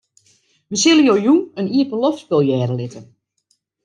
Wy sille jo jûn in iepenloftspul hearre litte.